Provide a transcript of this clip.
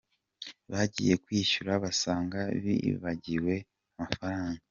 Bagiye kwishyura basanga bibagiwe amafaranga.